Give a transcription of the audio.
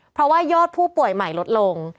เพราะว่ายอดผู้ป่วยใหม่ลดลง